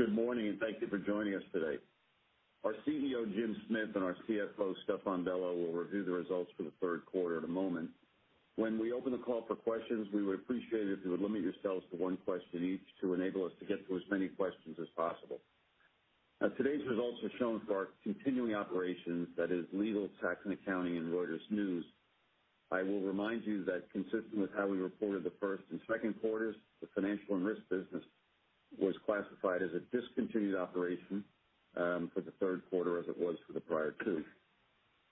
Good morning, and thank you for joining us today. Our CEO, Jim Smith, and our CFO, Stephane Bello, will review the results for the third quarter in a moment. When we open the call for questions, we would appreciate it if you would limit yourselves to one question each to enable us to get to as many questions as possible. Today's results are shown for our continuing operations, that is, Legal, Tax & Accounting and Reuters News. I will remind you that, consistent with how we reported the first and second quarters, the Financial & Risk business was classified as a discontinued operation for the third quarter as it was for the prior two.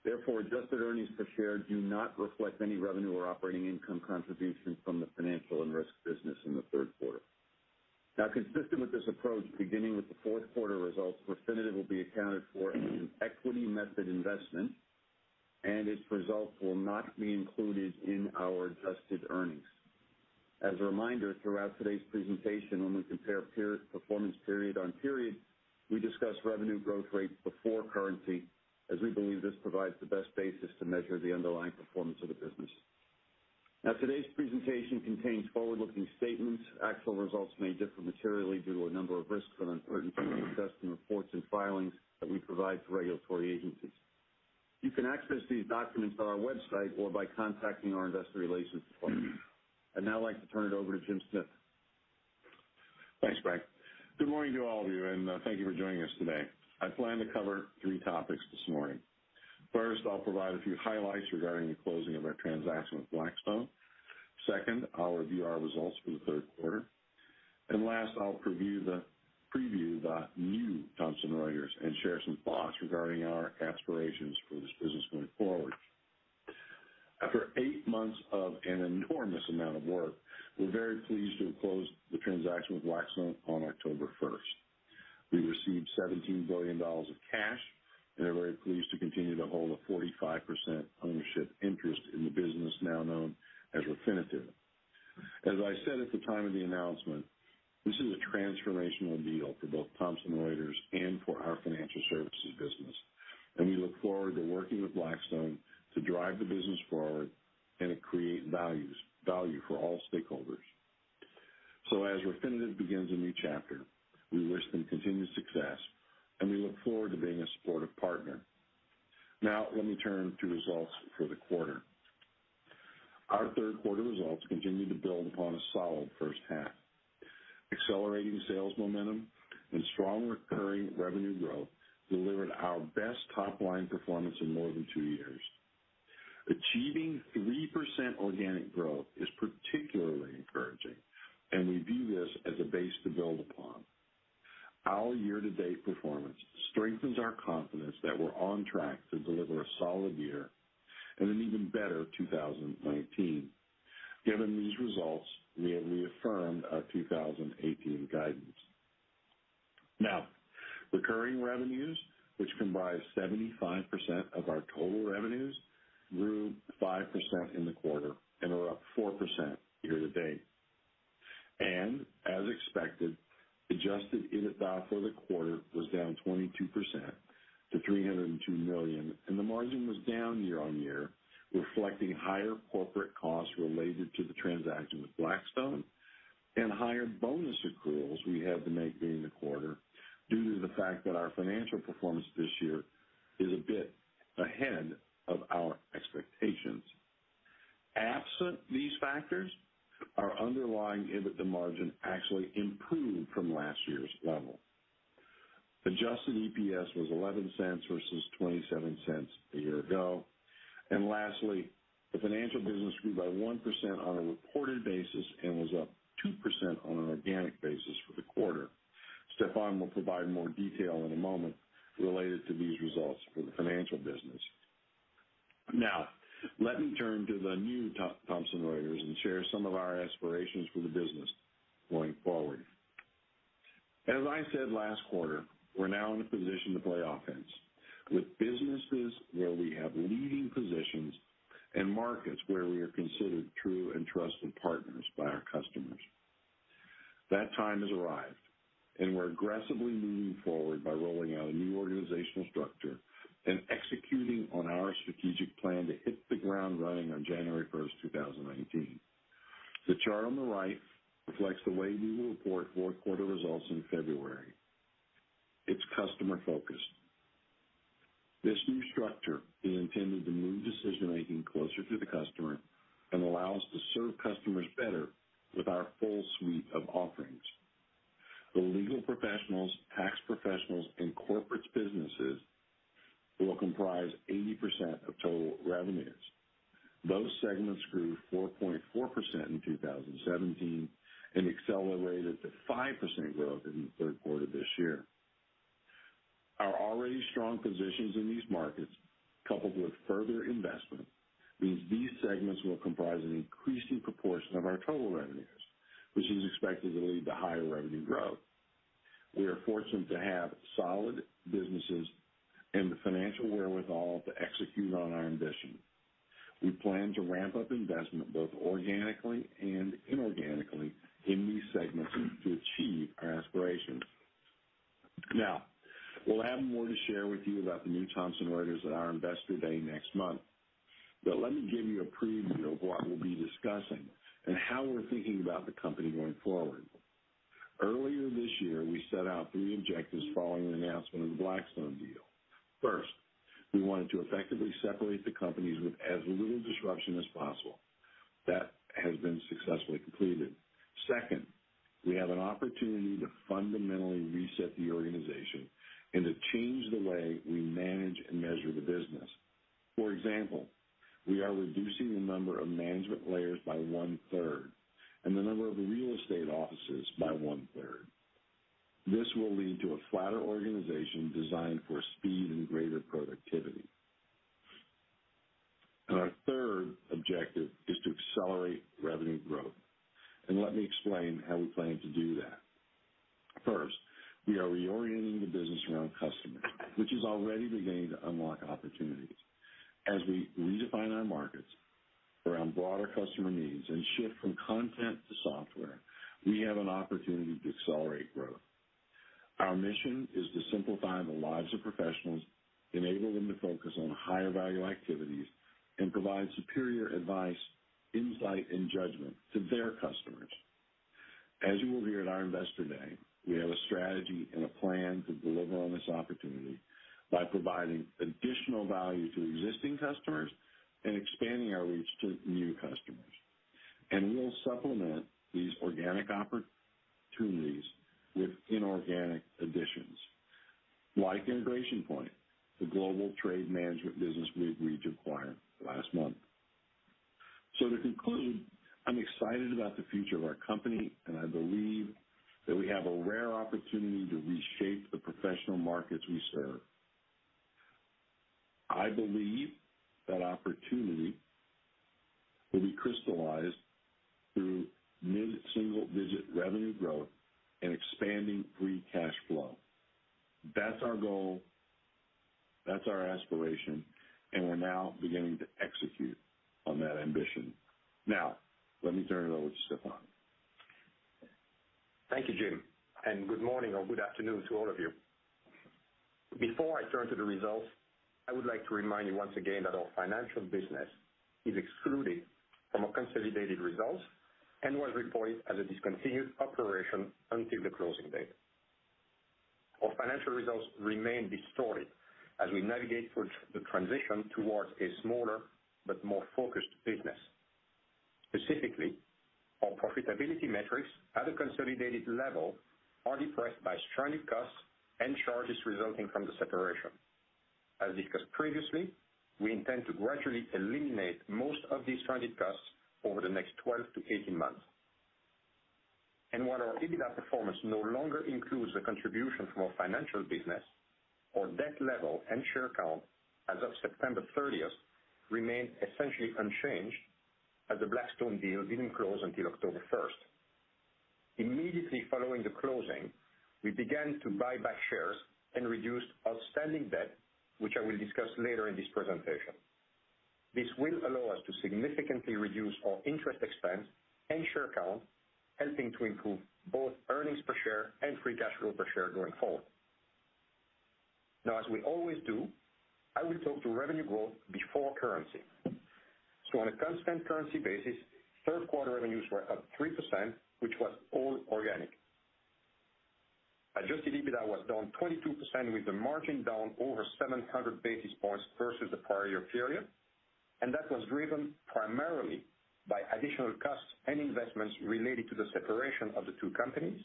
Therefore, adjusted earnings per share do not reflect any revenue or operating income contribution from the Financial & Risk business in the third quarter. Now, consistent with this approach, beginning with the fourth quarter results, Refinitiv will be accounted for as an equity method investment, and its results will not be included in our adjusted earnings. As a reminder, throughout today's presentation, when we compare performance period on period, we discuss revenue growth rates before currency, as we believe this provides the best basis to measure the underlying performance of the business. Now, today's presentation contains forward-looking statements. Actual results may differ materially due to a number of risks and uncertainties described in our reports and filings that we provide to regulatory agencies. You can access these documents on our website or by contacting our investor relations department. Now, I'd like to turn it over to Jim Smith. Thanks, Frank. Good morning to all of you, and thank you for joining us today. I plan to cover three topics this morning. First, I'll provide a few highlights regarding the closing of our transaction with Blackstone. Second, I'll review our results for the third quarter. And last, I'll preview the new Thomson Reuters and share some thoughts regarding our aspirations for this business going forward. After eight months of an enormous amount of work, we're very pleased to have closed the transaction with Blackstone on October 1st. We received $17 billion of cash, and we're very pleased to continue to hold a 45% ownership interest in the business now known as Refinitiv. As I said at the time of the announcement, this is a transformational deal for both Thomson Reuters and for our financial services business, and we look forward to working with Blackstone to drive the business forward and to create value for all stakeholders. So, as Refinitiv begins a new chapter, we wish them continued success, and we look forward to being a supportive partner. Now, let me turn to results for the quarter. Our third quarter results continue to build upon a solid first half. Accelerating sales momentum and strong recurring revenue growth delivered our best top-line performance in more than two years. Achieving 3% organic growth is particularly encouraging, and we view this as a base to build upon. Our year-to-date performance strengthens our confidence that we're on track to deliver a solid year and an even better 2019. Given these results, we have reaffirmed our 2018 guidance. Now, recurring revenues, which comprise 75% of our total revenues, grew 5% in the quarter and are up 4% year-to-date, and as expected, Adjusted EBITDA for the quarter was down 22% to $302 million, and the margin was down year-on-year, reflecting higher corporate costs related to the transaction with Blackstone and higher bonus accruals we had to make during the quarter due to the fact that our financial performance this year is a bit ahead of our expectations. Absent these factors, our underlying EBITDA margin actually improved from last year's level. Adjusted EPS was $0.11 versus $0.27 a year ago, and lastly, the financial business grew by 1% on a reported basis and was up 2% on an organic basis for the quarter. Stephane will provide more detail in a moment related to these results for the financial business. Now, let me turn to the new Thomson Reuters and share some of our aspirations for the business going forward. As I said last quarter, we're now in a position to play offense with businesses where we have leading positions and markets where we are considered true and trusted partners by our customers. That time has arrived, and we're aggressively moving forward by rolling out a new organizational structure and executing on our strategic plan to hit the ground running on January 1st, 2019. The chart on the right reflects the way we will report fourth quarter results in February. It's customer-focused. This new structure is intended to move decision-making closer to the customer and allow us to serve customers better with our full suite of offerings. The Legal Professionals, Tax Professionals, and Corporate businesses will comprise 80% of total revenues. Those segments grew 4.4% in 2017 and accelerated to 5% growth in the third quarter this year. Our already strong positions in these markets, coupled with further investment, means these segments will comprise an increasing proportion of our total revenues, which is expected to lead to higher revenue growth. We are fortunate to have solid businesses and the financial wherewithal to execute on our ambition. We plan to ramp up investment both organically and inorganically in these segments to achieve our aspirations. Now, we'll have more to share with you about the new Thomson Reuters at our investor day next month, but let me give you a preview of what we'll be discussing and how we're thinking about the company going forward. Earlier this year, we set out three objectives following the announcement of the Blackstone deal. First, we wanted to effectively separate the companies with as little disruption as possible. That has been successfully completed. Second, we have an opportunity to fundamentally reset the organization and to change the way we manage and measure the business. For example, we are reducing the number of management layers by one-third and the number of real estate offices by one-third. This will lead to a flatter organization designed for speed and greater productivity. And our third objective is to accelerate revenue growth. And let me explain how we plan to do that. First, we are reorienting the business around customers, which is already beginning to unlock opportunities. As we redefine our markets around broader customer needs and shift from content to software, we have an opportunity to accelerate growth. Our mission is to simplify the lives of professionals, enable them to focus on higher value activities, and provide superior advice, insight, and judgment to their customers. As you will hear at our investor day, we have a strategy and a plan to deliver on this opportunity by providing additional value to existing customers and expanding our reach to new customers, and we'll supplement these organic opportunities with inorganic additions, like Integration Point, the global trade management business we agreed to acquire last month, so to conclude, I'm excited about the future of our company, and I believe that we have a rare opportunity to reshape the professional markets we serve. I believe that opportunity will be crystallized through mid-single-digit revenue growth and expanding free cash flow. That's our goal. That's our aspiration, and we're now beginning to execute on that ambition. Now, let me turn it over to Stephane. Thank you, Jim. And good morning or good afternoon to all of you. Before I turn to the results, I would like to remind you once again that our financial business is excluded from our consolidated results and was reported as a discontinued operation until the closing date. Our financial results remain distorted as we navigate through the transition towards a smaller but more focused business. Specifically, our profitability metrics at a consolidated level are depressed by stranded costs and charges resulting from the separation. As discussed previously, we intend to gradually eliminate most of these stranded costs over the next 12 to 18 months. And while our EBITDA performance no longer includes the contribution from our financial business, our debt level and share count as of September 30th remained essentially unchanged as the Blackstone deal didn't close until October 1st. Immediately following the closing, we began to buy back shares and reduced outstanding debt, which I will discuss later in this presentation. This will allow us to significantly reduce our interest expense and share count, helping to improve both earnings per share and free cash flow per share going forward. Now, as we always do, I will talk to revenue growth before currency. So, on a constant currency basis, third quarter revenues were up 3%, which was all organic. Adjusted EBITDA was down 22% with the margin down over 700 basis points versus the prior year period, and that was driven primarily by additional costs and investments related to the separation of the two companies.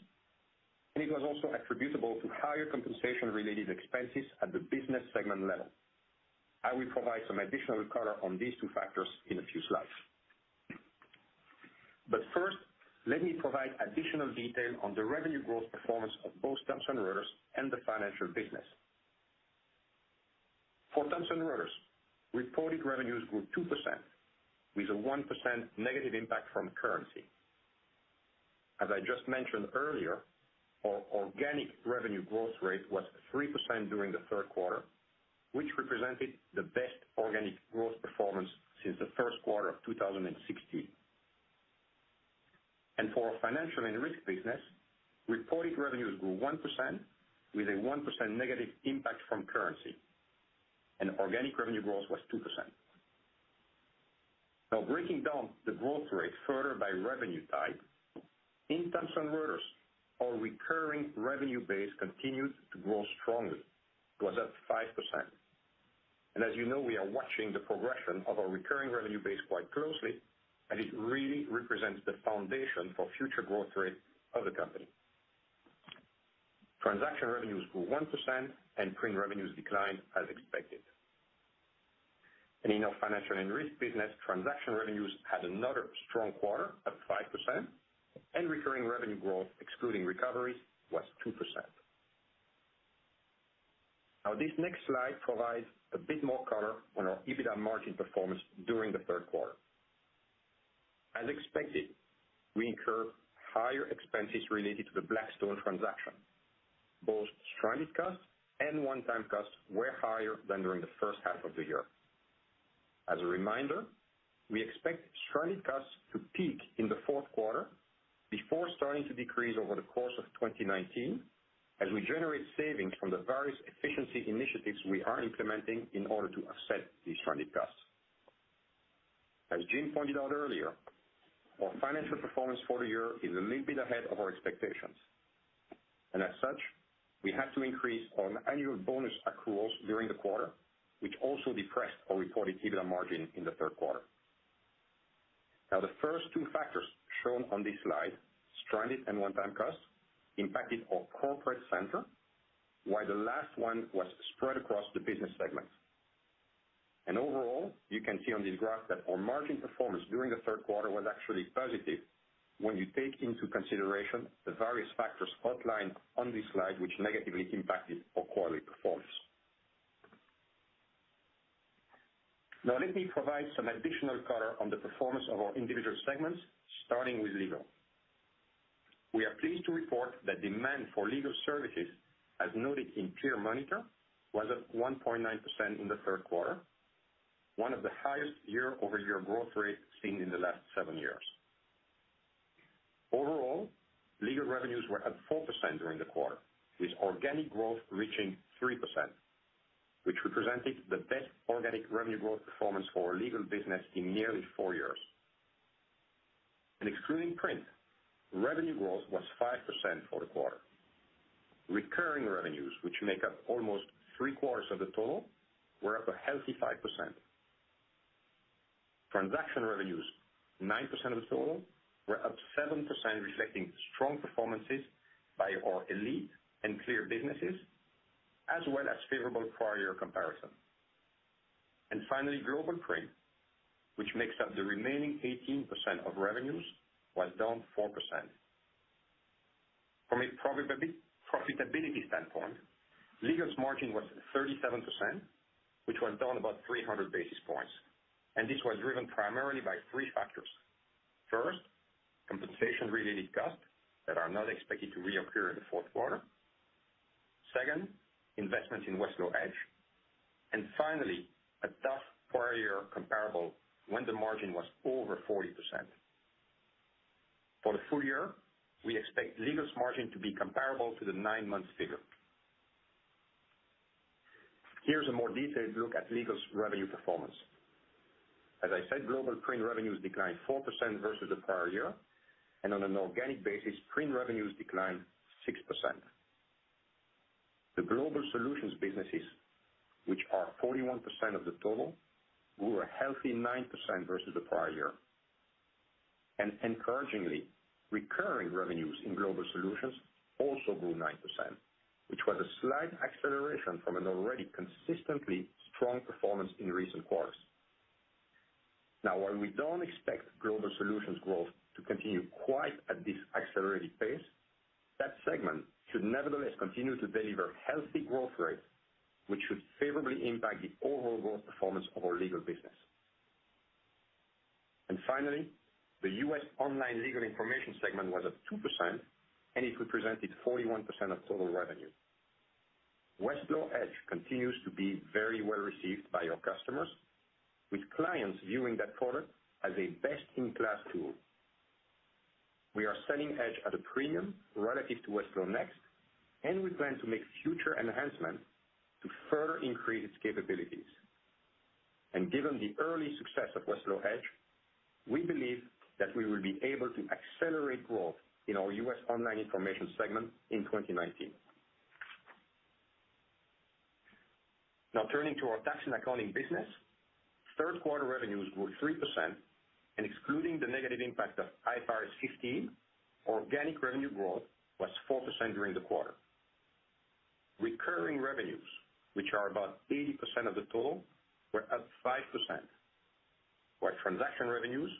And it was also attributable to higher compensation-related expenses at the business segment level. I will provide some additional color on these two factors in a few slides. First, let me provide additional detail on the revenue growth performance of both Thomson Reuters and the financial business. For Thomson Reuters, reported revenues grew 2% with a 1% negative impact from currency. As I just mentioned earlier, our organic revenue growth rate was 3% during the third quarter, which represented the best organic growth performance since the first quarter of 2016. For our Financial & Risk business, reported revenues grew 1% with a 1% negative impact from currency, and organic revenue growth was 2%. Now, breaking down the growth rate further by revenue type, in Thomson Reuters, our recurring revenue base continued to grow strongly. It was up 5%. As you know, we are watching the progression of our recurring revenue base quite closely, as it really represents the foundation for future growth rate of the company. Transaction revenues grew 1%, and print revenues declined as expected, and in our Financial & Risk business, transaction revenues had another strong quarter of 5%, and recurring revenue growth, excluding recoveries, was 2%. Now, this next slide provides a bit more color on our EBITDA margin performance during the third quarter. As expected, we incurred higher expenses related to the Blackstone transaction. Both stranded costs and one-time costs were higher than during the first half of the year. As a reminder, we expect stranded costs to peak in the fourth quarter before starting to decrease over the course of 2019, as we generate savings from the various efficiency initiatives we are implementing in order to offset these stranded costs. As Jim pointed out earlier, our financial performance for the year is a little bit ahead of our expectations. And as such, we had to increase our annual bonus accruals during the quarter, which also depressed our reported EBITDA margin in the third quarter. Now, the first two factors shown on this slide, stranded and one-time costs, impacted our corporate center, while the last one was spread across the business segments. And overall, you can see on this graph that our margin performance during the third quarter was actually positive when you take into consideration the various factors outlined on this slide, which negatively impacted our quarterly performance. Now, let me provide some additional color on the performance of our individual segments, starting with Legal. We are pleased to report that demand for legal services, as noted in Peer Monitor, was at 1.9% in the third quarter, one of the highest year-over-year growth rates seen in the last seven years. Overall, Legal revenues were at 4% during the quarter, with organic growth reaching 3%, which represented the best organic revenue growth performance for our Legal business in nearly four years. And excluding print, revenue growth was 5% for the quarter. Recurring revenues, which make up almost three-quarters of the total, were up a healthy 5%. Transaction revenues, 9% of the total, were up 7%, reflecting strong performances by our Elite and CLEAR businesses, as well as favorable prior-year comparison. And finally, Global Print, which makes up the remaining 18% of revenues, was down 4%. From a profitability standpoint, Legal's margin was 37%, which was down about 300 basis points. And this was driven primarily by three factors. First, compensation-related costs that are not expected to reoccur in the fourth quarter. Second, investment in Westlaw Edge. And finally, a tough prior-year comparable when the margin was over 40%. For the full year, we expect Legal's margin to be comparable to the nine-month figure. Here's a more detailed look at Legal's revenue performance. As I said, Global Print revenues declined 4% versus the prior year, and on an organic basis, print revenues declined 6%. The Global Solutions businesses, which are 41% of the total, grew a healthy 9% versus the prior year. And encouragingly, recurring revenues in Global Solutions also grew 9%, which was a slight acceleration from an already consistently strong performance in recent quarters. Now, while we don't expect Global Solutions growth to continue quite at this accelerated pace, that segment should nevertheless continue to deliver healthy growth rates, which should favorably impact the overall growth performance of our Legal business. And finally, the U.S. Online Legal Information segment was at 2%, and it represented 41% of total revenue. Westlaw Edge continues to be very well received by our customers, with clients viewing that product as a best-in-class tool. We are selling Edge at a premium relative to WestlawNext, and we plan to make future enhancements to further increase its capabilities. And given the early success of Westlaw Edge, we believe that we will be able to accelerate growth in our U.S. Online Information segment in 2019. Now, turning to our Tax & Accounting business, third quarter revenues grew 3%, and excluding the negative impact of IFRS 15, organic revenue growth was 4% during the quarter. Recurring revenues, which are about 80% of the total, were up 5%, while transaction revenues,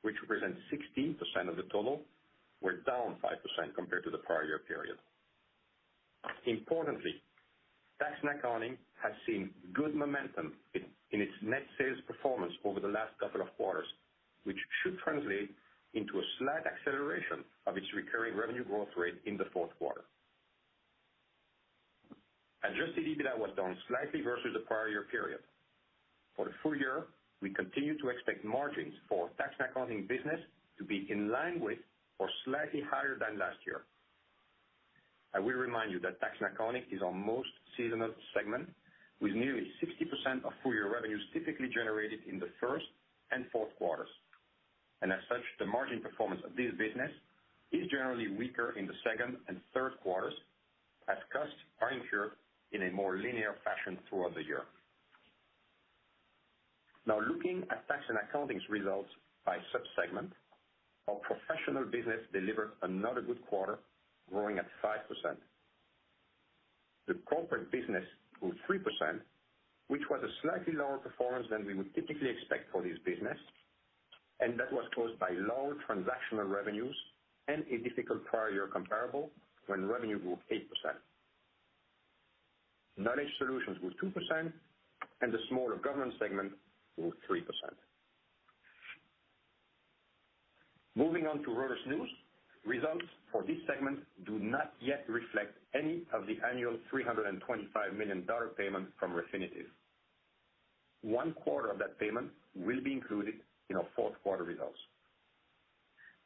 which represent 16% of the total, were down 5% compared to the prior year period. Importantly, Tax & Accounting has seen good momentum in its net sales performance over the last couple of quarters, which should translate into a slight acceleration of its recurring revenue growth rate in the fourth quarter. Adjusted EBITDA was down slightly versus the prior year period. For the full year, we continue to expect margins for our Tax & Accounting business to be in line with or slightly higher than last year. I will remind you that Tax & Accounting is our most seasonal segment, with nearly 60% of full-year revenues typically generated in the first and fourth quarters. And as such, the margin performance of this business is generally weaker in the second and third quarters, as costs are incurred in a more linear fashion throughout the year. Now, looking at Tax & Accounting's results by subsegment, our Professional business delivered another good quarter, growing at 5%. The Corporate business grew 3%, which was a slightly lower performance than we would typically expect for this business, and that was caused by lower transactional revenues and a difficult prior-year comparable when revenue grew 8%. Knowledge Solutions grew 2%, and the smaller Government segment grew 3%. Moving on to Reuters News, results for this segment do not yet reflect any of the annual $325 million payment from Refinitiv. One quarter of that payment will be included in our fourth quarter results.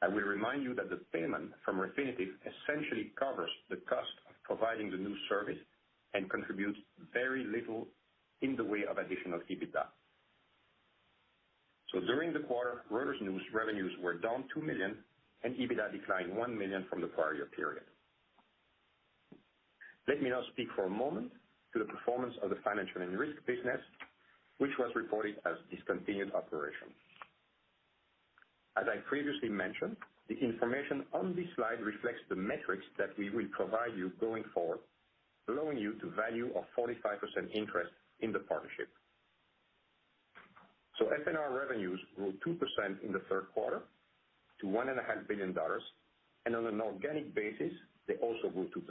I will remind you that the payment from Refinitiv essentially covers the cost of providing the new service and contributes very little in the way of additional EBITDA. So, during the quarter, Reuters News revenues were down $2 million, and EBITDA declined $1 million from the prior-year period. Let me now speak for a moment to the performance of the Financial & Risk business, which was reported as discontinued operation. As I previously mentioned, the information on this slide reflects the metrics that we will provide you going forward, allowing you to value a 45% interest in the partnership. So, F&R revenues grew 2% in the third quarter to $1.5 billion, and on an organic basis, they also grew 2%.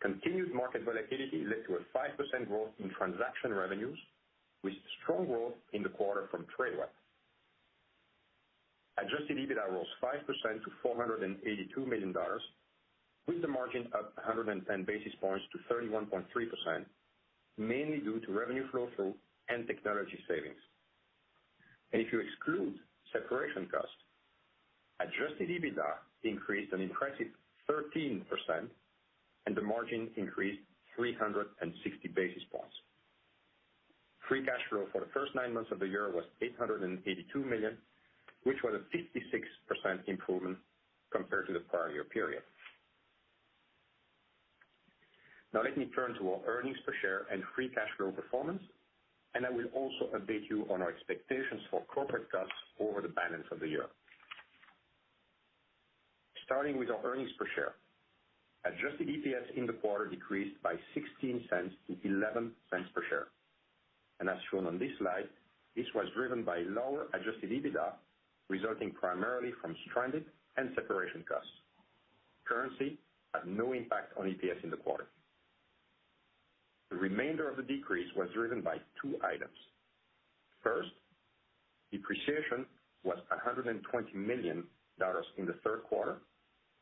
Continued market volatility led to a 5% growth in transaction revenues, with strong growth in the quarter from Tradeweb. Adjusted EBITDA rose 5% to $482 million, with the margin up 110 basis points to 31.3%, mainly due to revenue flow-through and technology savings. And if you exclude separation costs, adjusted EBITDA increased an impressive 13%, and the margin increased 360 basis points. Free cash flow for the first nine months of the year was $882 million, which was a 56% improvement compared to the prior-year period. Now, let me turn to our earnings per share and free cash flow performance, and I will also update you on our expectations for corporate costs over the balance of the year. Starting with our earnings per share, Adjusted EPS in the quarter decreased by $0.16 to $0.11 per share. As shown on this slide, this was driven by lower Adjusted EBITDA, resulting primarily from stranded and separation costs. Currency had no impact on EPS in the quarter. The remainder of the decrease was driven by two items. First, depreciation was $120 million in the third quarter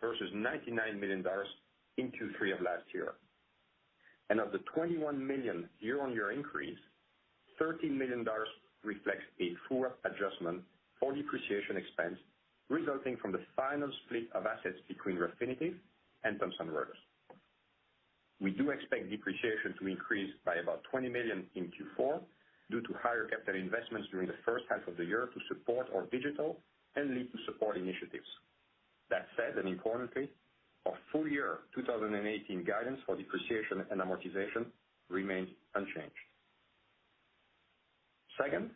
versus $99 million in Q3 of last year. And of the $21 million year-on-year increase, $13 million reflects a true-up adjustment for depreciation expense resulting from the final split of assets between Refinitiv and Thomson Reuters. We do expect depreciation to increase by about $20 million in Q4 due to higher capital investments during the first half of the year to support our digital and legal software initiatives. That said, and importantly, our full-year 2018 guidance for depreciation and amortization remains unchanged. Second,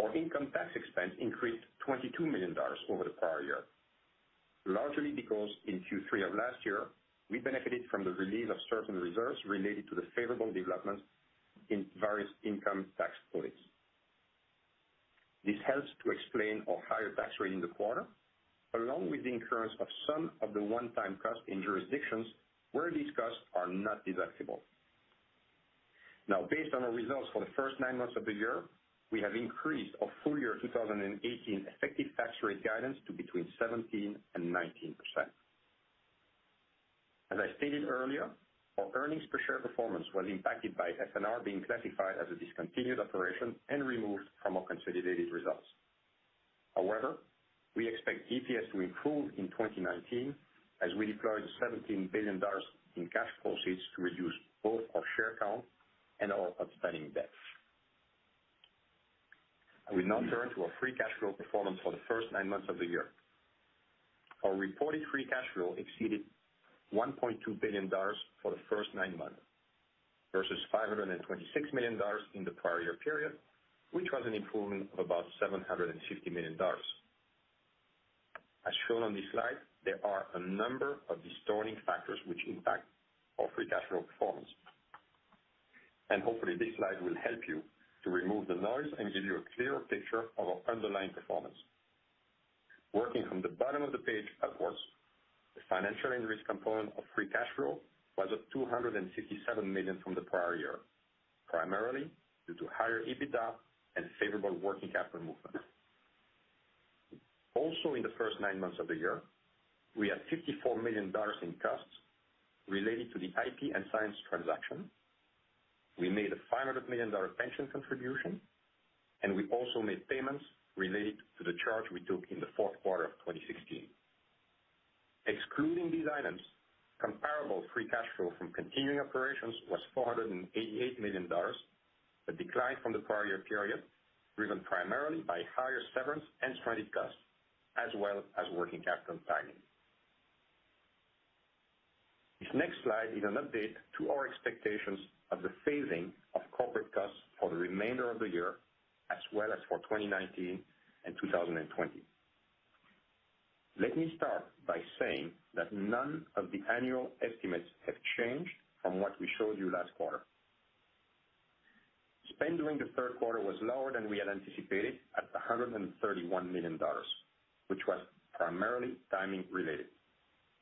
our income tax expense increased $22 million over the prior year, largely because in Q3 of last year, we benefited from the release of certain reserves related to the favorable developments in various income tax audits. This helps to explain our higher tax rate in the quarter, along with the incurrence of some of the one-time costs in jurisdictions where these costs are not deductible. Now, based on our results for the first nine months of the year, we have increased our full-year 2018 effective tax rate guidance to between 17% and 19%. As I stated earlier, our earnings per share performance was impacted by F&R being classified as a discontinued operation and removed from our consolidated results. However, we expect EPS to improve in 2019 as we deploy the $17 billion in cash proceeds to reduce both our share count and our outstanding debt. I will now turn to our free cash flow performance for the first nine months of the year. Our reported free cash flow exceeded $1.2 billion for the first nine months versus $526 million in the prior-year period, which was an improvement of about $750 million. As shown on this slide, there are a number of distorting factors which impact our free cash flow performance. Hopefully, this slide will help you to remove the noise and give you a clearer picture of our underlying performance. Working from the bottom of the page upwards, the Financial & Risk component of free cash flow was at $257 million from the prior year, primarily due to higher EBITDA and favorable working capital movement. Also, in the first nine months of the year, we had $54 million in costs related to the IP & Science transaction. We made a $500 million pension contribution, and we also made payments related to the charge we took in the fourth quarter of 2016. Excluding these items, comparable free cash flow from continuing operations was $488 million, a decline from the prior-year period driven primarily by higher severance and stranded costs, as well as working capital tightening. This next slide is an update to our expectations of the phasing of corporate costs for the remainder of the year, as well as for 2019 and 2020. Let me start by saying that none of the annual estimates have changed from what we showed you last quarter. Spend during the third quarter was lower than we had anticipated at $131 million, which was primarily timing-related.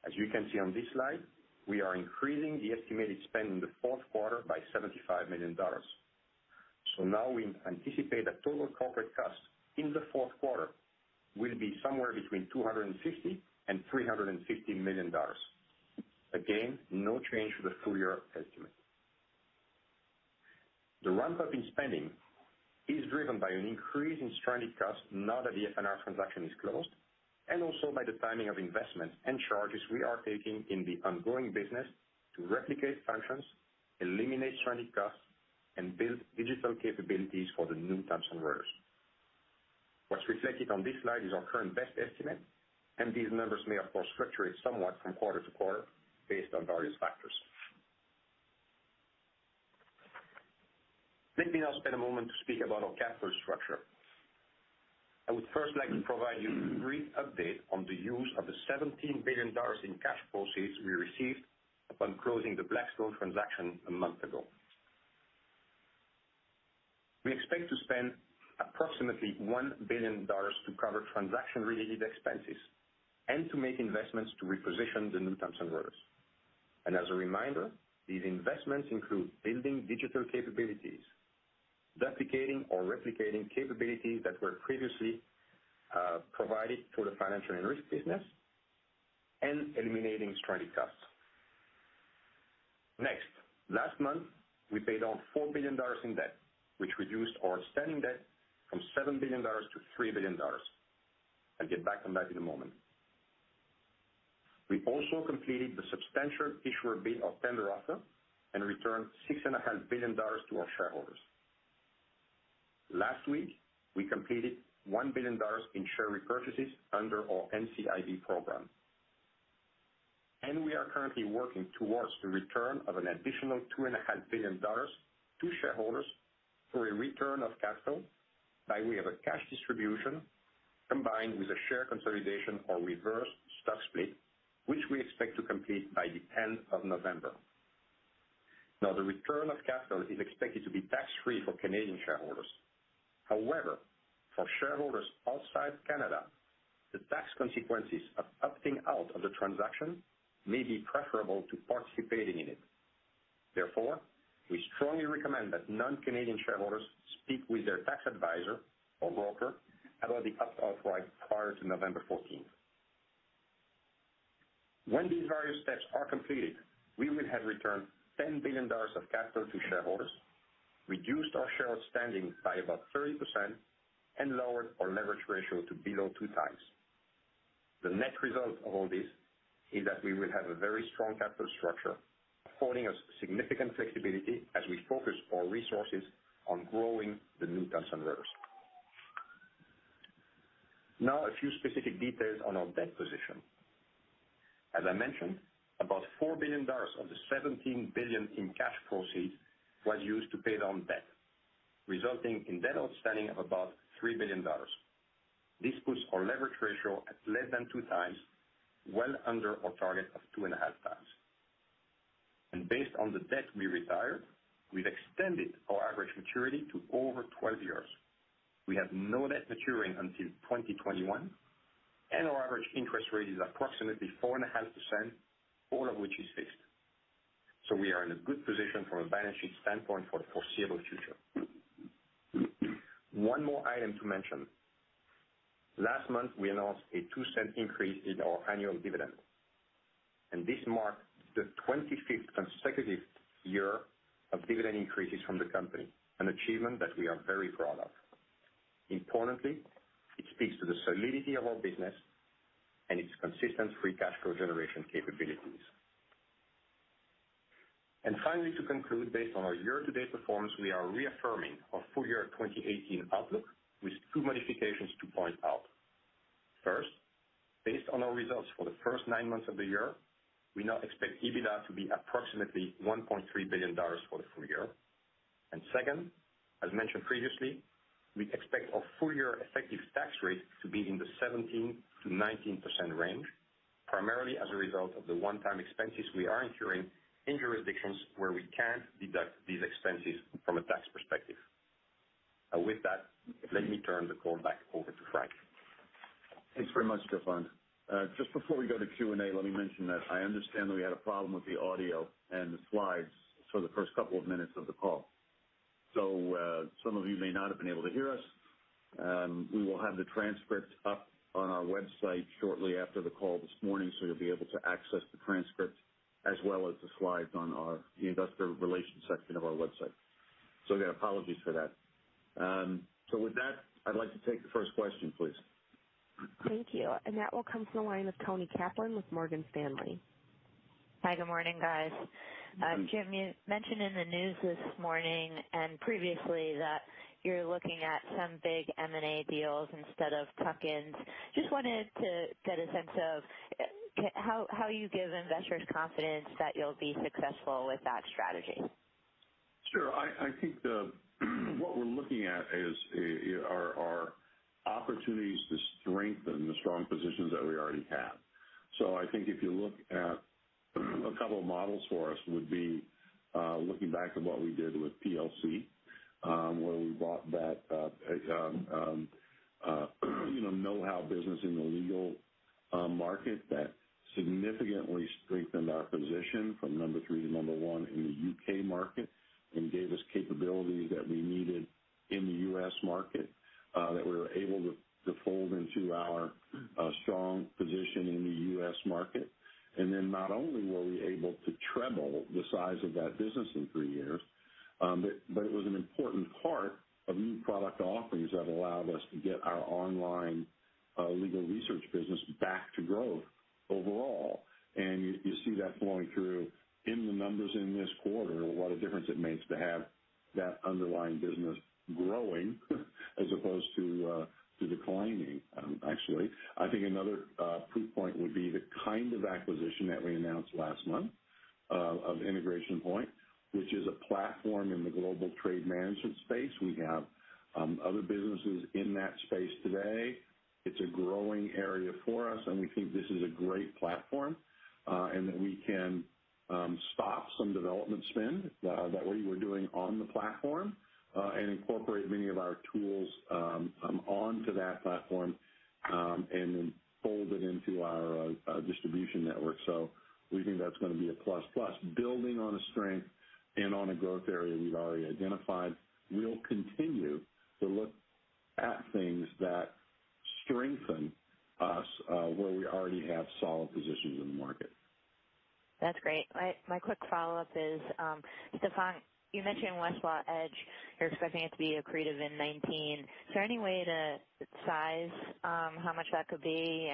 As you can see on this slide, we are increasing the estimated spend in the fourth quarter by $75 million. So now we anticipate that total corporate costs in the fourth quarter will be somewhere between $250 and $350 million. Again, no change to the full-year estimate. The ramp-up in spending is driven by an increase in stranded costs now that the F&R transaction is closed, and also by the timing of investments and charges we are taking in the ongoing business to replicate functions, eliminate stranded costs, and build digital capabilities for the new Thomson Reuters. What's reflected on this slide is our current best estimate, and these numbers may, of course, fluctuate somewhat from quarter to quarter based on various factors. Let me now spend a moment to speak about our capital structure. I would first like to provide you a brief update on the use of the $17 billion in cash proceeds we received upon closing the Blackstone transaction a month ago. We expect to spend approximately $1 billion to cover transaction-related expenses and to make investments to reposition the new Thomson Reuters. And as a reminder, these investments include building digital capabilities, duplicating or replicating capabilities that were previously provided for the Financial & Risk business, and eliminating stranded costs. Next, last month, we paid off $4 billion in debt, which reduced our outstanding debt from $7 billion to $3 billion. I'll get back on that in a moment. We also completed the substantial issuer bid, tender offer, and returned $6.5 billion to our shareholders. Last week, we completed $1 billion in share repurchases under our NCIB program. And we are currently working towards the return of an additional $2.5 billion to shareholders for a return of capital by way of a cash distribution combined with a share consolidation or reverse stock split, which we expect to complete by the end of November. Now, the return of capital is expected to be tax-free for Canadian shareholders. However, for shareholders outside Canada, the tax consequences of opting out of the transaction may be preferable to participating in it. Therefore, we strongly recommend that non-Canadian shareholders speak with their tax advisor or broker about the opt-out right prior to November 14th. When these various steps are completed, we will have returned $10 billion of capital to shareholders, reduced our share outstanding by about 30%, and lowered our leverage ratio to below two times. The net result of all this is that we will have a very strong capital structure, affording us significant flexibility as we focus our resources on growing the new Thomson Reuters. Now, a few specific details on our debt position. As I mentioned, about $4 billion of the $17 billion in cash proceeds was used to pay down debt, resulting in debt outstanding of about $3 billion. This puts our leverage ratio at less than two times, well under our target of two and a half times, and based on the debt we retired, we've extended our average maturity to over 12 years. We have no debt maturing until 2021, and our average interest rate is approximately 4.5%, all of which is fixed, so we are in a good position from a balance sheet standpoint for the foreseeable future. One more item to mention. Last month, we announced a $0.02 increase in our annual dividend, and this marked the 25th consecutive year of dividend increases from the company, an achievement that we are very proud of. Importantly, it speaks to the solidity of our business and its consistent free cash flow generation capabilities, and finally, to conclude, based on our year-to-date performance, we are reaffirming our full-year 2018 outlook with two modifications to point out. First, based on our results for the first nine months of the year, we now expect EBITDA to be approximately $1.3 billion for the full year. And second, as mentioned previously, we expect our full-year effective tax rate to be in the 17%-19% range, primarily as a result of the one-time expenses we are incurring in jurisdictions where we can't deduct these expenses from a tax perspective. And with that, let me turn the call back over to Frank. Thanks very much, Stephane. Just before we go to Q&A, let me mention that I understand that we had a problem with the audio and the slides for the first couple of minutes of the call. So some of you may not have been able to hear us. We will have the transcript up on our website shortly after the call this morning, so you'll be able to access the transcript as well as the slides on the investor relations section of our website. So again, apologies for that. So with that, I'd like to take the first question, please. Thank you. And that will come from the line of Toni Kaplan with Morgan Stanley. Hi, good morning, guys. Good morning. Jim mentioned in the news this morning and previously that you're looking at some big M&A deals instead of tuck-ins. Just wanted to get a sense of how you give investors confidence that you'll be successful with that strategy. Sure. I think what we're looking at are opportunities to strengthen the strong positions that we already have, so I think if you look at a couple of models for us, it would be looking back at what we did with PLC, where we bought that know-how business in the legal market that significantly strengthened our position from number three to number one in the U.K. market and gave us capabilities that we needed in the U.S. market, that we were able to fold into our strong position in the U.S. market, and then not only were we able to treble the size of that business in three years, but it was an important part of new product offerings that allowed us to get our online legal research business back to growth overall. And you see that flowing through in the numbers in this quarter, what a difference it makes to have that underlying business growing as opposed to declining, actually. I think another proof point would be the kind of acquisition that we announced last month of Integration Point, which is a platform in the global trade management space. We have other businesses in that space today. It's a growing area for us, and we think this is a great platform and that we can stop some development spend that we were doing on the platform and incorporate many of our tools onto that platform and then fold it into our distribution network. So we think that's going to be a plus-plus. Building on a strength and on a growth area we've already identified, we'll continue to look at things that strengthen us where we already have solid positions in the market. That's great. My quick follow-up is, Stephane, you mentioned Westlaw Edge. You're expecting it to be accretive in 2019. Is there any way to size how much that could be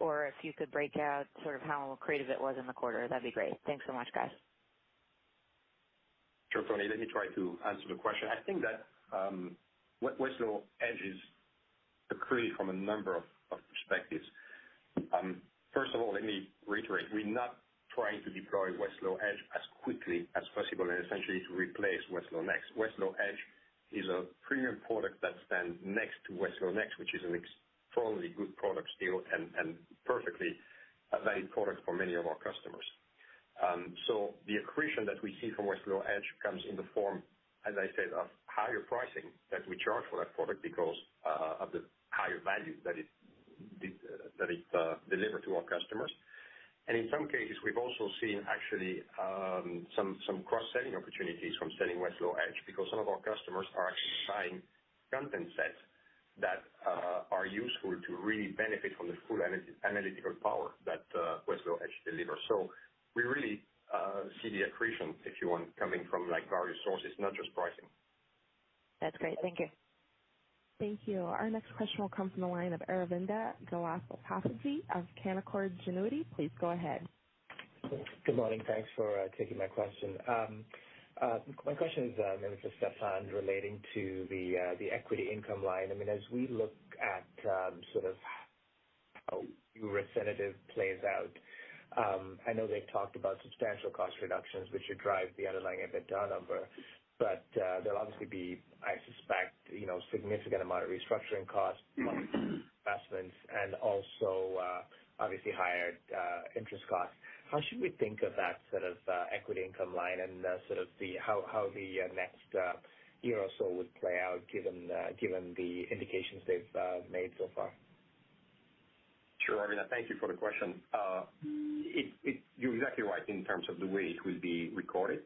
or if you could break out sort of how accretive it was in the quarter? That'd be great. Thanks so much, guys. Sure, Toni. Let me try to answer the question. I think that Westlaw Edge is accretive from a number of perspectives. First of all, let me reiterate. We're not trying to deploy Westlaw Edge as quickly as possible and essentially to replace WestlawNext. Westlaw Edge is a premium product that stands next to WestlawNext, which is an extraordinarily good product still and perfectly a valid product for many of our customers. So the accretion that we see from Westlaw Edge comes in the form, as I said, of higher pricing that we charge for that product because of the higher value that it delivers to our customers. And in some cases, we've also seen actually some cross-selling opportunities from selling Westlaw Edge because some of our customers are actually buying content sets that are useful to really benefit from the full analytical power that Westlaw Edge delivers. So we really see the accretion, if you want, coming from various sources, not just pricing. That's great. Thank you. Thank you. Our next question will come from the line of Aravinda Galappatthige of Canaccord Genuity. Please go ahead. Good morning. Thanks for taking my question. My question is, Mr. Stephane, relating to the equity income line. I mean, as we look at sort of how your Refinitiv plays out, I know they've talked about substantial cost reductions, which should drive the underlying EBITDA number, but there'll obviously be, I suspect, a significant amount of restructuring costs, investments, and also obviously higher interest costs. How should we think of that sort of equity income line and sort of how the next year or so would play out given the indications they've made so far? Sure. Aravinda, thank you for the question. You're exactly right in terms of the way it will be recorded.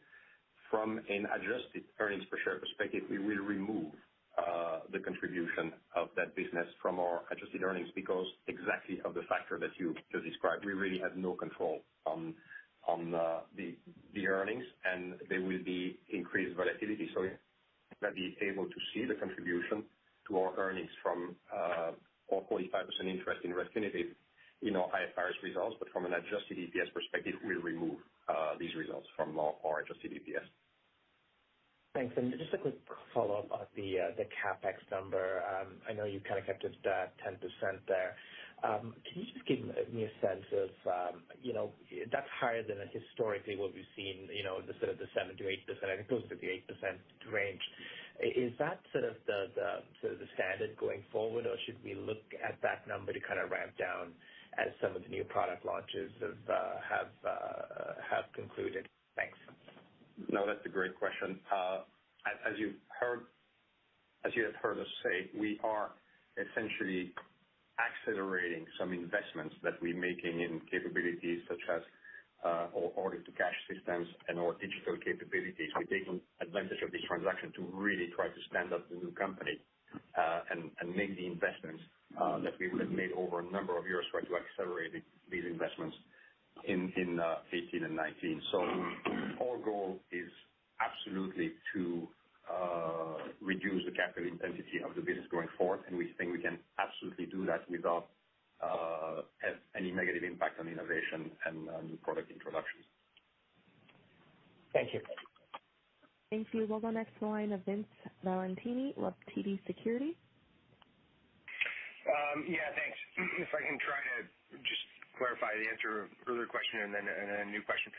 From an adjusted earnings per share perspective, we will remove the contribution of that business from our adjusted earnings because exactly of the factor that you just described, we really have no control on the earnings, and there will be increased volatility. So we're not going to be able to see the contribution to our earnings from our 45% interest in Refinitiv in our IFRS results, but from an adjusted EPS perspective, we'll remove these results from our adjusted EPS. Thanks. And just a quick follow-up on the CapEx number. I know you kind of kept it at 10% there. Can you just give me a sense of that's higher than historically what we've seen, the sort of 7%-8%, I think it goes to the 8% range. Is that sort of the standard going forward, or should we look at that number to kind of ramp down as some of the new product launches have concluded? Thanks. No, that's a great question. As you have heard us say, we are essentially accelerating some investments that we're making in capabilities such as our order to cash systems and our digital capabilities. We're taking advantage of this transaction to really try to stand up the new company and make the investments that we would have made over a number of years trying to accelerate these investments in 2018 and 2019. So our goal is absolutely to reduce the capital intensity of the business going forward, and we think we can absolutely do that without any negative impact on innovation and new product introductions. Thank you. Thank you. We'll go next to the line of Vince Valentini of TD Securities. Yeah, thanks. If I can try to just clarify the answer to an earlier question and then a new question.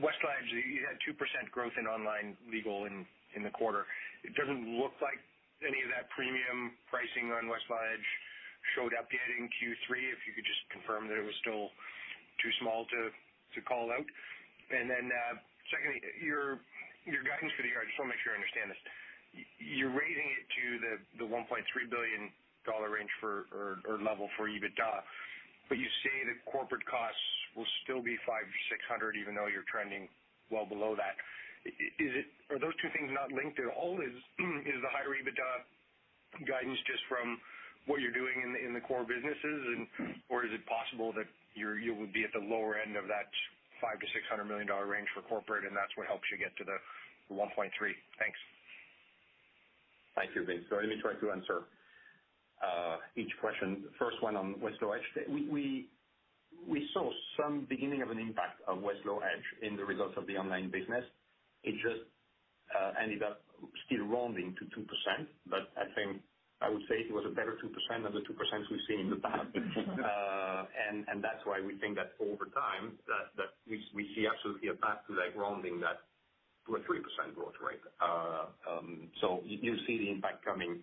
Westlaw Edge, you had 2% growth in Online Legal in the quarter. It doesn't look like any of that premium pricing on Westlaw Edge showed up yet in Q3, if you could just confirm that it was still too small to call out. And then secondly, your guidance for the year, I just want to make sure I understand this. You're raising it to the $1.3 billion range or level for EBITDA, but you say the corporate costs will still be 500-600, even though you're trending well below that. Are those two things not linked at all? Is the higher EBITDA guidance just from what you're doing in the core businesses, or is it possible that you would be at the lower end of that $500 million-$600 million range for corporate, and that's what helps you get to the $1.3 billion? Thanks. Thank you, Vince. So let me try to answer each question. First one on Westlaw Edge. We saw some beginning of an impact of Westlaw Edge in the results of the online business. It just ended up still rounding to 2%, but I think I would say it was a better 2% than the 2% we've seen in the past. And that's why we think that over time, we see absolutely a path to rounding that 2% or 3% growth rate. So you'll see the impact coming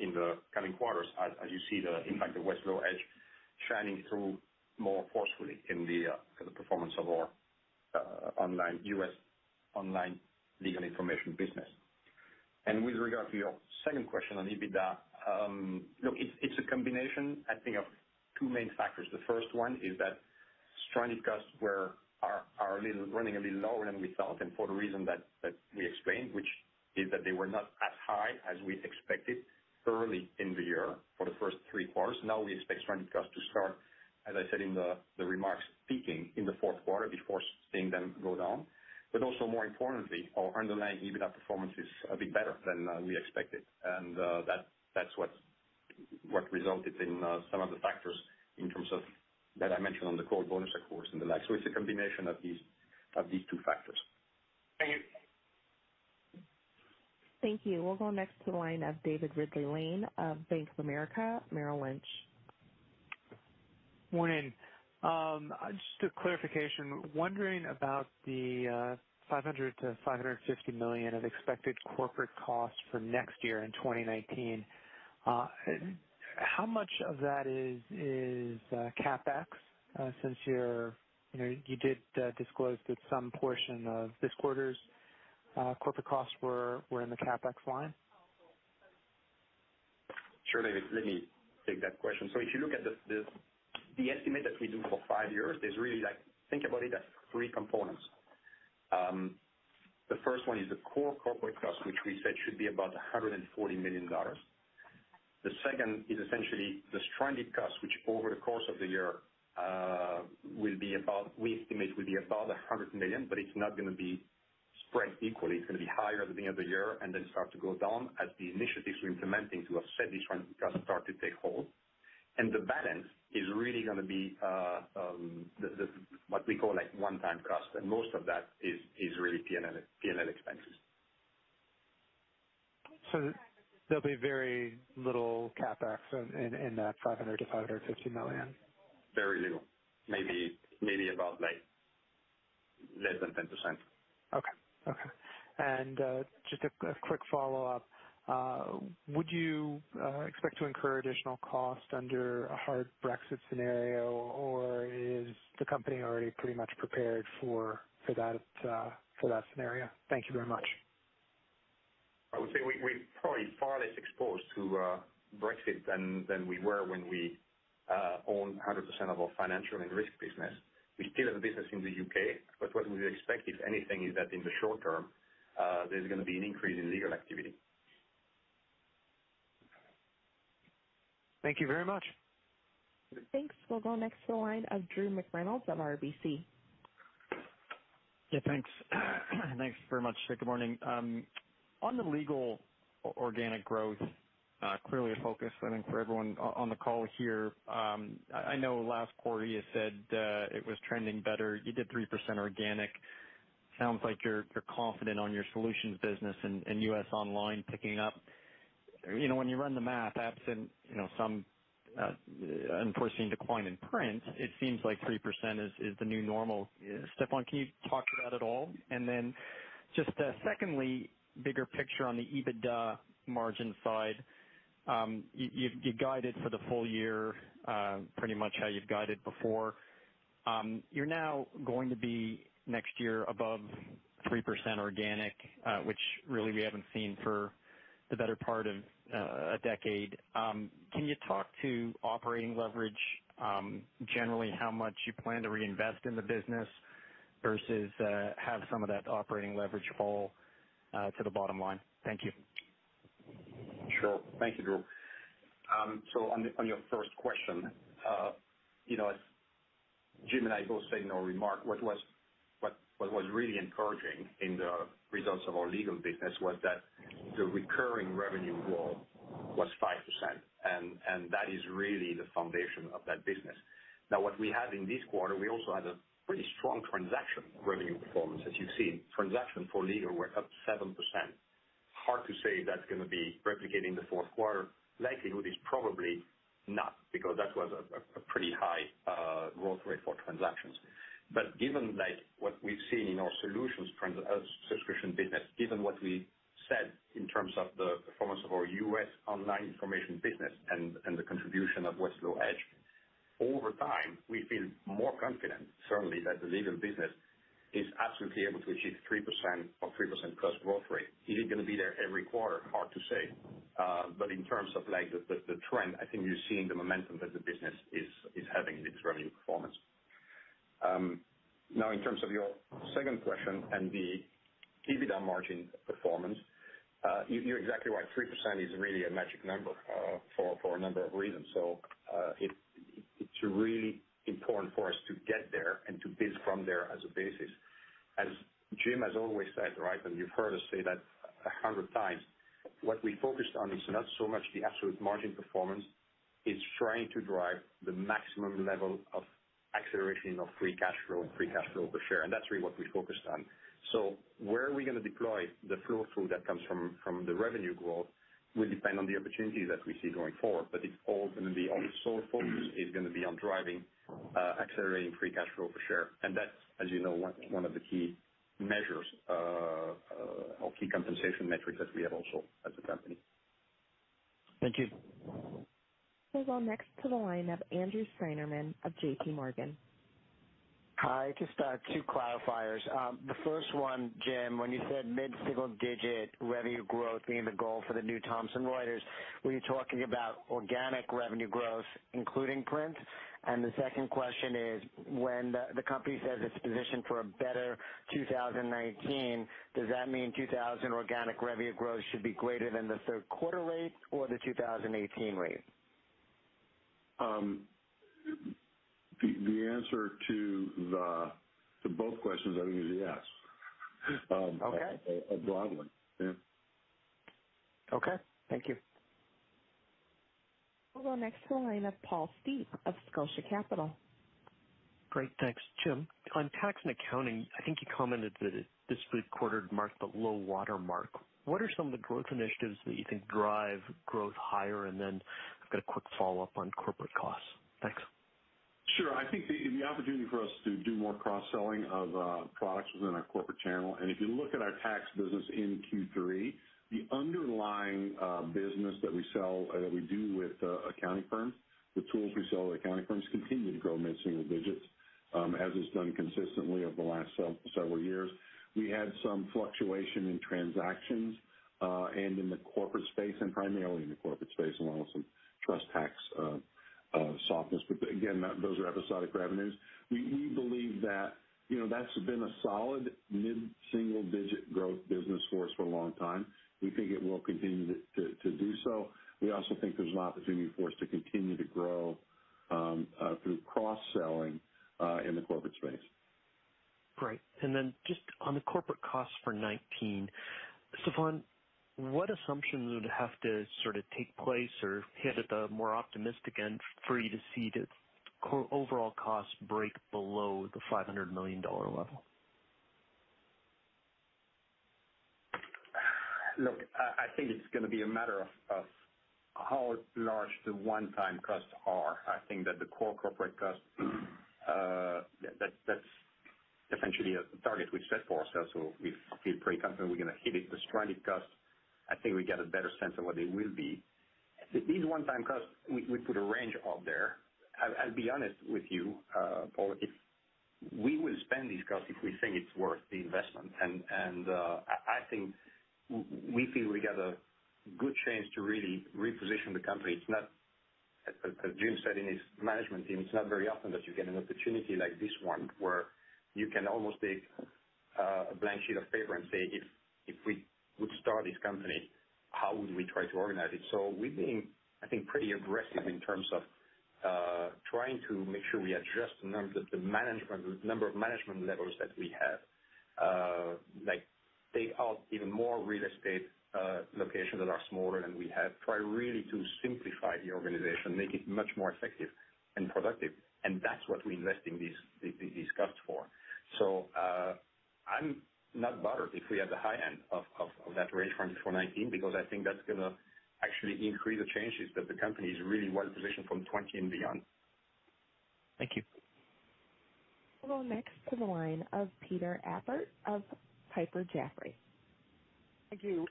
in the coming quarters, as you see the impact of Westlaw Edge shining through more forcefully in the performance of our U.S. Online Legal Information business. And with regard to your second question on EBITDA, look, it's a combination, I think, of two main factors. The first one is that stranded costs were running a little lower than we thought, and for the reason that we explained, which is that they were not as high as we expected early in the year for the first three quarters. Now we expect stranded costs to start, as I said in the remarks, peaking in the fourth quarter before seeing them go down. But also more importantly, our underlying EBITDA performance is a bit better than we expected. And that's what resulted in some of the factors in terms of that I mentioned on the core bonus accruals and the like. So it's a combination of these two factors. Thank you. Thank you. We'll go next to the line of David Ridley-Lane of Bank of America Merrill Lynch. Morning. Just a clarification. Wondering about the $500 million-$550 million of expected corporate costs for next year in 2019. How much of that is CapEx since you did disclose that some portion of this quarter's corporate costs were in the CapEx line? Sure, David. Let me take that question, so if you look at the estimate that we do for five years, you can really think about it as three components. The first one is the core corporate costs, which we said should be about $140 million. The second is essentially the stranded costs, which over the course of the year will be about, we estimate, $100 million, but it's not going to be spread equally. It's going to be higher at the beginning of the year and then start to go down as the initiatives we're implementing to offset these stranded costs start to take hold. And the balance is really going to be what we call one-time costs. And most of that is really P&L expenses. So there'll be very little CapEx in that $500 million-$550 million? Very little. Maybe about less than 10%. Okay. Okay. And just a quick follow-up. Would you expect to incur additional costs under a hard Brexit scenario, or is the company already pretty much prepared for that scenario? Thank you very much. I would say we're probably far less exposed to Brexit than we were when we owned 100% of our Financial & Risk business. We still have a business in the U.K., but what we would expect, if anything, is that in the short term, there's going to be an increase in legal activity. Thank you very much. Thanks. We'll go next to the line of Drew McReynolds of RBC. Yeah, thanks. Thanks very much. Good morning. On the Legal organic growth, clearly a focus, I think, for everyone on the call here. I know last quarter you said it was trending better. You did 3% organic. Sounds like you're confident on your solutions business and U.S. online picking up. When you run the math, absent some unforeseen decline in print, it seems like 3% is the new normal. Stephane, can you talk to that at all? And then just secondly, bigger picture on the EBITDA margin side, you guided for the full year pretty much how you've guided before. You're now going to be next year above 3% organic, which really we haven't seen for the better part of a decade. Can you talk to operating leverage, generally, how much you plan to reinvest in the business versus have some of that operating leverage fall to the bottom line? Thank you. Sure. Thank you, Drew. On your first question, as Jim and I both said in our remark, what was really encouraging in the results of our Legal business was that the recurring revenue growth was 5%, and that is really the foundation of that business. Now, what we had in this quarter, we also had a pretty strong transaction revenue performance, as you've seen. Transactions for Legal were up 7%. Hard to say that's going to be replicated in the fourth quarter. Likelihood is probably not because that was a pretty high growth rate for transactions. But given what we've seen in our solutions subscription business, given what we said in terms of the performance of our U.S. Online Information business and the contribution of Westlaw Edge, over time, we feel more confident, certainly, that the Legal business is absolutely able to achieve 3% or 3% plus growth rate. Is it going to be there every quarter? Hard to say. But in terms of the trend, I think you're seeing the momentum that the business is having in its revenue performance. Now, in terms of your second question and the EBITDA margin performance, you're exactly right. 3% is really a magic number for a number of reasons. So it's really important for us to get there and to build from there as a basis. As Jim has always said, right, and you've heard us say that 100 times, what we focused on is not so much the absolute margin performance. It's trying to drive the maximum level of acceleration of free cash flow and free cash flow per share. And that's really what we focused on. So, where are we going to deploy the flow-through that comes from the revenue growth? Will depend on the opportunities that we see going forward, but it's all going to be our sole focus is going to be on driving accelerating free cash flow per share, and that's, as you know, one of the key measures or key compensation metrics that we have also as a company. Thank you. We'll go next to the line of Andrew Steinerman of J.P. Morgan. Hi. Just two clarifiers. The first one, Jim, when you said mid-single digit revenue growth being the goal for the new Thomson Reuters, were you talking about organic revenue growth, including print? And the second question is, when the company says it's positioned for a better 2019, does that mean 20% organic revenue growth should be greater than the third quarter rate or the 2018 rate? The answer to both questions, I think, is yes. Okay. Broadly. Yeah. Okay. Thank you. We'll go next to the line of Paul Steep of Scotia Capital. Great. Thanks, Jim. On Tax & Accounting, I think you commented that this third quarter marked the low watermark. What are some of the growth initiatives that you think drive growth higher? And then I've got a quick follow-up on corporate costs. Thanks. Sure. I think the opportunity for us to do more cross-selling of products within our corporate channel. And if you look at our tax business in Q3, the underlying business that we sell that we do with accounting firms, the tools we sell to accounting firms continue to grow mid-single digits, as has done consistently over the last several years. We had some fluctuation in transactions and in the corporate space, and primarily in the corporate space, along with some trust tax softness. But again, those are episodic revenues. We believe that that's been a solid mid-single digit growth business for us for a long time. We think it will continue to do so. We also think there's an opportunity for us to continue to grow through cross-selling in the corporate space. Great. And then just on the corporate costs for 2019, Stephane, what assumptions would have to sort of take place or hit at the more optimistic end for you to see the overall costs break below the $500 million level? Look, I think it's going to be a matter of how large the one-time costs are. I think that the core corporate costs, that's essentially a target we've set for ourselves. So we feel pretty confident we're going to hit it. The stranded costs, I think we get a better sense of what they will be. These one-time costs, we put a range out there. I'll be honest with you, Paul, we will spend these costs if we think it's worth the investment. And I think we feel we got a good chance to really reposition the company. It's not, as Jim said in his management team, it's not very often that you get an opportunity like this one where you can almost take a blank sheet of paper and say, "If we would start this company, how would we try to organize it?" So we're being, I think, pretty aggressive in terms of trying to make sure we adjust the number of management levels that we have, take out even more real estate locations that are smaller than we have, try really to simplify the organization, make it much more effective and productive. And that's what we invest in these costs for. So I'm not bothered if we have the high end of that range for 2019 because I think that's going to actually increase the chances that the company is really well positioned from 2020 and beyond. Thank you. We'll go next to the line of Peter Appert of Piper Jaffray. Thank you.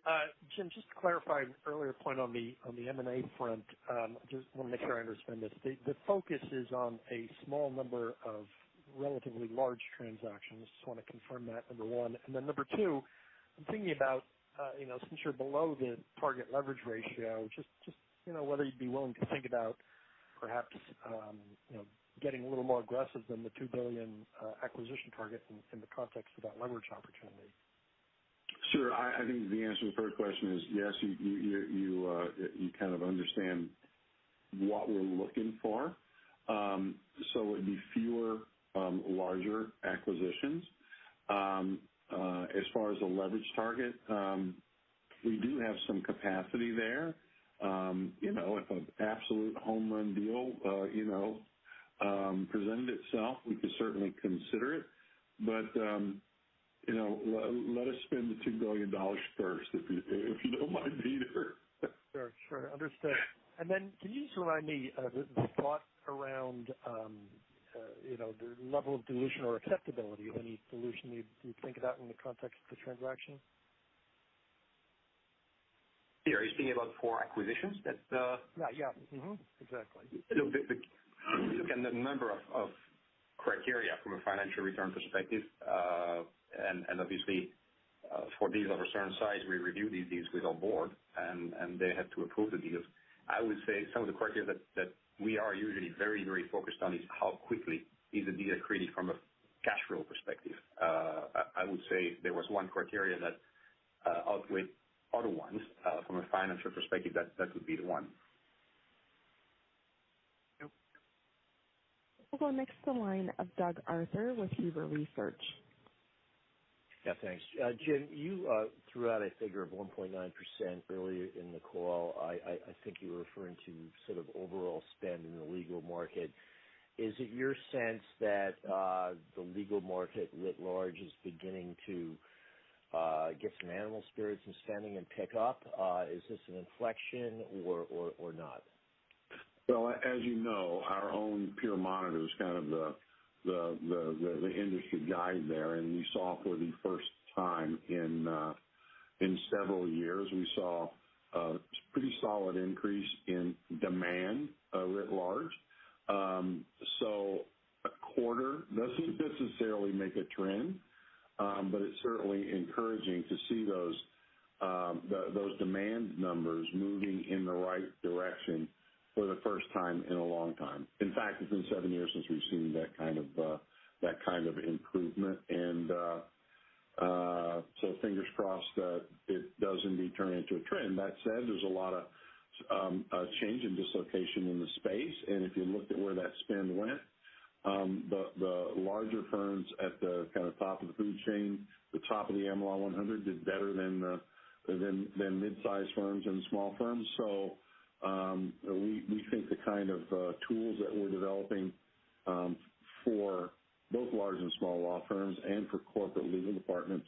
Jim, just to clarify an earlier point on the M&A front, I just want to make sure I understand this. The focus is on a small number of relatively large transactions. Just want to confirm that, number one, and then number two, I'm thinking about since you're below the target leverage ratio, just whether you'd be willing to think about perhaps getting a little more aggressive than the $2 billion acquisition target in the context of that leverage opportunity. Sure. I think the answer to the first question is yes, you kind of understand what we're looking for. So it would be fewer, larger acquisitions. As far as the leverage target, we do have some capacity there. If an absolute home run deal presented itself, we could certainly consider it. But let us spend the $2 billion first if you don't mind, Peter. Sure. Sure. Understood. And then can you just remind me of the thought around the level of dilution or acceptability of any solution you think about in the context of the transaction? You're speaking about four acquisitions? Yeah. Yeah. Exactly. Look at the number of criteria from a financial return perspective. Obviously, for deals of a certain size, we review these deals with our board, and they have to approve the deals. I would say some of the criteria that we are usually very, very focused on is how quickly is the deal accretive from a cash flow perspective. I would say if there was one criteria that outweighed other ones from a financial perspective, that would be the one. We'll go next to the line of Doug Arthur with Huber Research. Yeah. Thanks. Jim, you threw out a figure of 1.9% earlier in the call. I think you were referring to sort of overall spend in the legal market. Is it your sense that the legal market writ large is beginning to get some animal spirits and spending and pick up? Is this an inflection or not? As you know, our own Peer Monitor is kind of the industry guide there. We saw for the first time in several years a pretty solid increase in demand writ large. A quarter doesn't necessarily make a trend, but it's certainly encouraging to see those demand numbers moving in the right direction for the first time in a long time. In fact, it's been seven years since we've seen that kind of improvement. Fingers crossed that it does indeed turn into a trend. That said, there's a lot of change and dislocation in the space. If you looked at where that spend went, the larger firms at the kind of top of the food chain, the top of the Am Law 100, did better than mid-sized firms and small firms. So we think the kind of tools that we're developing for both large and small law firms and for corporate legal departments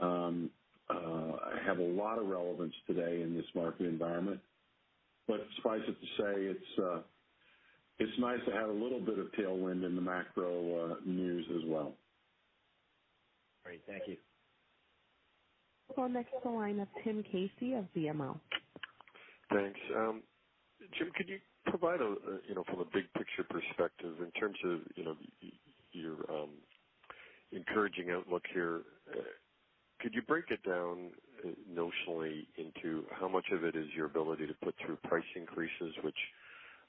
have a lot of relevance today in this market environment. But suffice it to say, it's nice to have a little bit of tailwind in the macro news as well. Great. Thank you. We'll go next to the line of Tim Casey of BMO. Thanks. Jim, could you provide from a big picture perspective in terms of your encouraging outlook here, could you break it down notionally into how much of it is your ability to put through price increases, which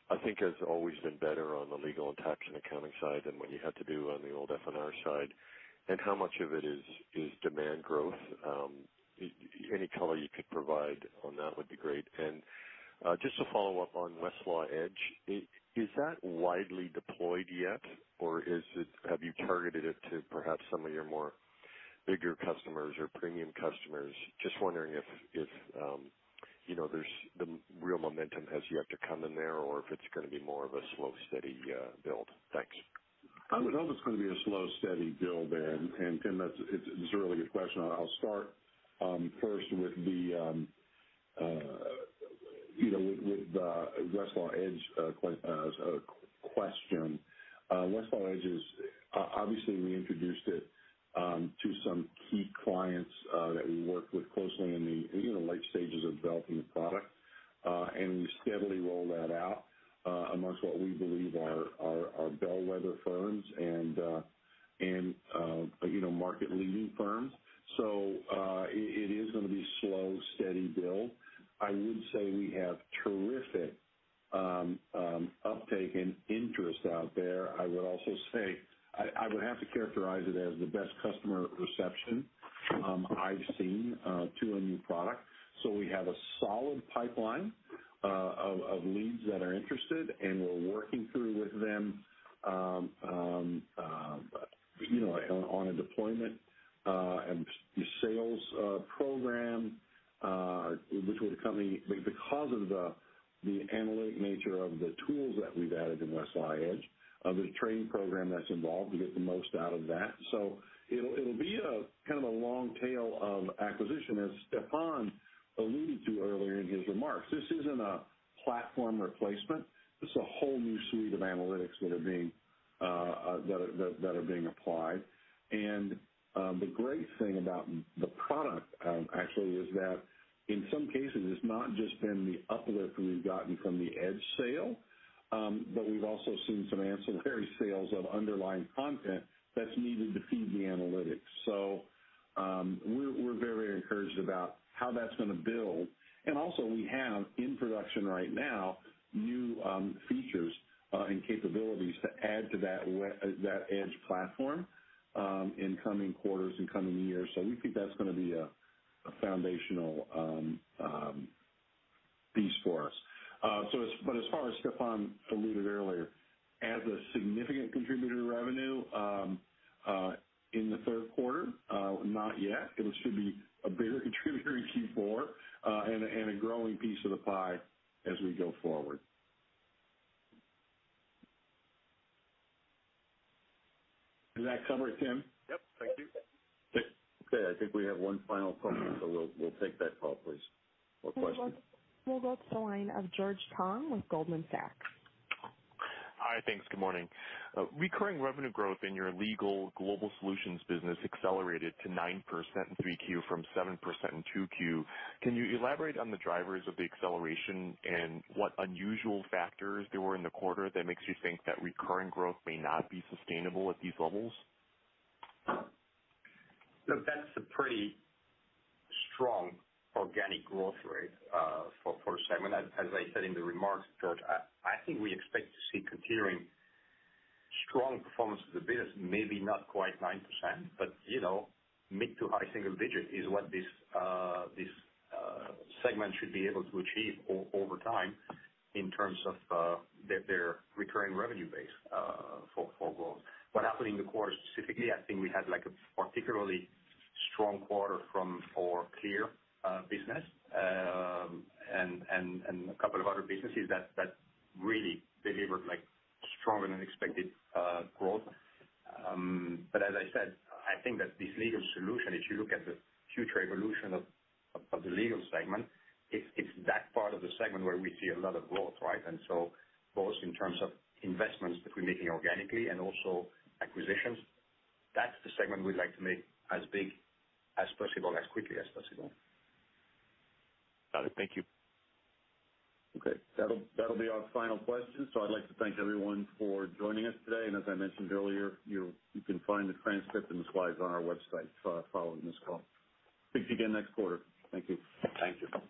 I think has always been better on the Legal and Tax & Accounting side than what you had to do on the old F&R side, and how much of it is demand growth? Any color you could provide on that would be great. And just to follow up on Westlaw Edge, is that widely deployed yet, or have you targeted it to perhaps some of your more bigger customers or premium customers? Just wondering if the real momentum has yet to come in there or if it's going to be more of a slow, steady build. Thanks. I would hope it's going to be a slow, steady build there, and Tim, it's a really good question. I'll start first with the Westlaw Edge question. Westlaw Edge has obviously reintroduced it to some key clients that we worked with closely in the late stages of developing the product. And we steadily rolled that out amongst what we believe are bellwether firms and market-leading firms, so it is going to be a slow, steady build. I would say we have terrific uptake and interest out there. I would also say I would have to characterize it as the best customer reception I've seen to a new product. So we have a solid pipeline of leads that are interested, and we're working through with them on We'll go to the line of George Tong with Goldman Sachs. Hi. Thanks. Good morning. Recurring revenue growth in your Legal Global Solutions business accelerated to 9% in 3Q from 7% in 2Q. Can you elaborate on the drivers of the acceleration and what unusual factors there were in the quarter that makes you think that recurring growth may not be sustainable at these levels? Look, that's a pretty strong organic growth rate for a segment. As I said in the remarks, George, I think we expect to see continuing strong performance of the business, maybe not quite 9%, but mid- to high-single-digit is what this segment should be able to achieve over time in terms of their recurring revenue base for growth. What happened in the quarter specifically, I think we had a particularly strong quarter from our CLEAR business and a couple of other businesses that really delivered stronger than expected growth. But as I said, I think that this Legal Solution, if you look at the future evolution of the Legal segment, it's that part of the segment where we see a lot of growth, right? Both in terms of investments that we're making organically and also acquisitions, that's the segment we'd like to make as big as possible, as quickly as possible. Got it. Thank you. Okay. That'll be our final question. So I'd like to thank everyone for joining us today, and as I mentioned earlier, you can find the transcript and the slides on our website following this call. Speak to you again next quarter. Thank you. Thank you.